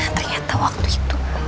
ternyata waktu itu